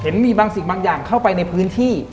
มีบางสิ่งบางอย่างเข้าไปในพื้นที่